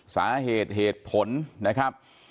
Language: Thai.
สาเหตุเหตุผลนะครับ